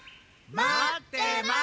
まってます！